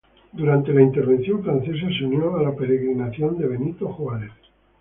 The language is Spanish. Durante la intervención francesa se unió a la peregrinación de Benito Juárez.